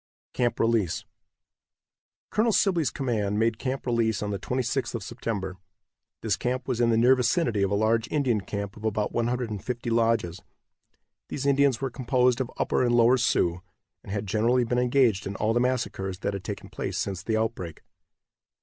CAMP RELEASE. Colonel Sibley's command made Camp Release on the 26th of September. This camp was in the near vicinity of a large Indian camp of about 150 lodges. These Indians were composed of Upper and Lower Sioux, and had generally been engaged in all the massacres that had taken place since the outbreak.